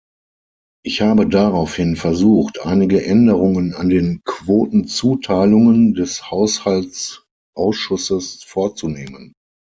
Ich habe daraufhin versucht, einige Änderungen an den Quotenzuteilungen des Haushaltsausschusses vorzunehmen.